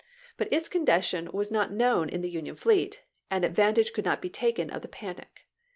But its condition was not known in the Union fleet, and advantage could not be taken of the panic.